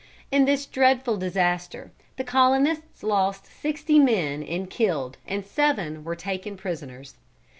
In this dreadful disaster, the colonists lost sixty men in killed and seven were taken prisoners.